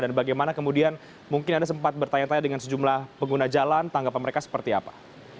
dan bagaimana kemudian mungkin anda sempat bertanya tanya dengan sejumlah pengguna jalan tanggapan mereka seperti apa